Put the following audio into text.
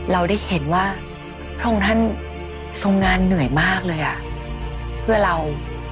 เราได้เห็นว่าพระองค์ท่านทรงงานเหนื่อยมากเลยอ่ะเพื่อเรา